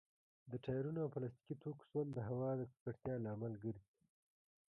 د ټايرونو او پلاستيکي توکو سون د هوا د ککړتيا لامل ګرځي.